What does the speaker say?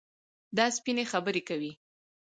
دا سپيني خبري کوي.